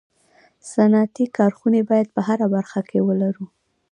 صنعتي کارخوني باید په هره برخه کي ولرو